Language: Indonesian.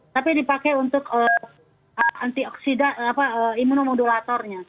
tapi dipakai untuk antioksida apa imunomodulatornya